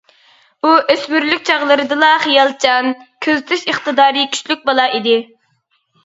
ئۇ ئۆسمۈرلۈك چاغلىرىدىلا خىيالچان، كۆزىتىش ئىقتىدارى كۈچلۈك بالا ئىدى.